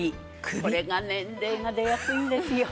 これが年齢が出やすいんですよ。